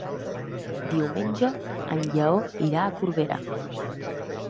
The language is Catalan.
Diumenge en Lleó irà a Corbera.